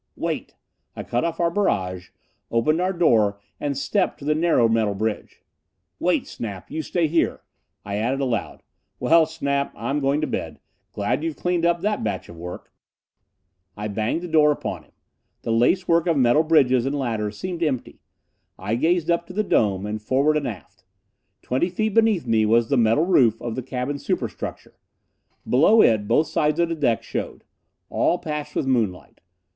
"Wait!" I cut off our barrage, opened our door and stepped to the narrow metal bridge. "Wait, Snap! You stay there." I added aloud, "Well, Snap, I'm going to bed. Glad you've cleaned up that batch of work." I banged the door upon him. The lacework of metal bridges and ladders seemed empty. I gazed up to the dome, and forward and aft. Twenty feet beneath me was the metal roof of the cabin superstructure. Below it, both sides of the deck showed. All patched with moonlight.